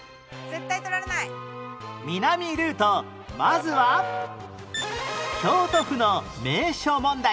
まずは京都府の名所問題